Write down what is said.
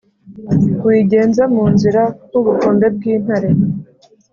wigenza mu nzira, nk'ubukombe bw'intare,